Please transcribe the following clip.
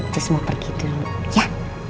terus mau pergi dulu ya